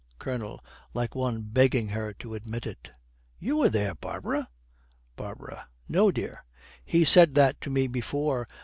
COLONEL, like one begging her to admit it, 'You were there, Barbara.' BARBARA. 'No, dear. He said that to me before.